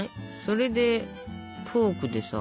それでフォークでさ。